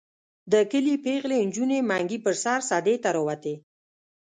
د کلي پېغلې نجونې منګي په سر سدې ته راوتې.